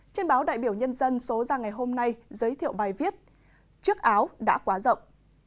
trên báo đại biểu nhân dân số ra ngày hôm nay giới thiệu bài viết chiếc áo đã quá rộng